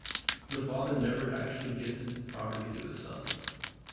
The father never actually gifted the property to the son.